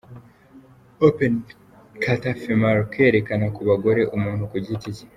Open Kata Female: Kwiyerekana ku bagore umuntu ku giti cye.